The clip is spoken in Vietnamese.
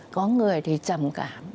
có người thì trầm cảm